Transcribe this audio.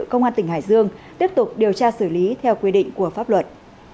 công an tỉnh hải dương tiếp tục điều tra xử lý theo quy định của pháp luật